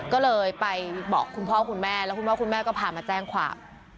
ก็เลยไปบอกคุณพ่อคุณแม่แล้วคุณพ่อคุณแม่ก็พามาแจ้งความ